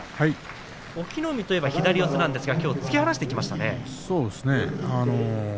隠岐の海といえば左四つですが、きょうは突き放しましたね。